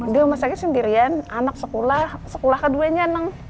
di rumah sakit sendirian anak sekolah sekolah kedua nya